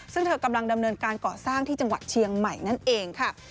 ซึ่งเธอกำลังดำเนินการก่อสร้างที่จังหวัดเชียงใหม่นั่นเองค่ะ